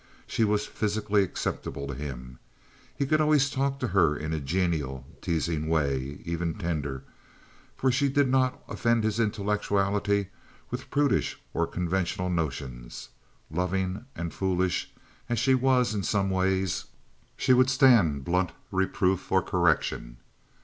She was physically acceptable to him. He could always talk to her in a genial, teasing way, even tender, for she did not offend his intellectuality with prudish or conventional notions. Loving and foolish as she was in some ways, she would stand blunt reproof or correction.